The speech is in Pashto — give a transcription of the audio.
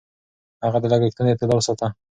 هغه د لګښتونو اعتدال ساته.